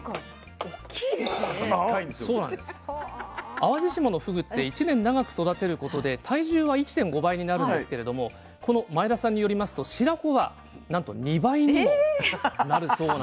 淡路島のふぐって１年長く育てることで体重は１．５倍になるんですけれどもこの前田さんによりますと白子はなんと２倍にもなるそうなんですよ。